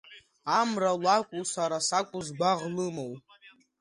Амра лакәу сара сакәу згәаӷ лымоу?